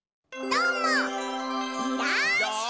どうも。